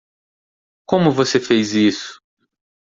Como você fez isso?